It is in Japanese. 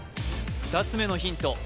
２つ目のヒント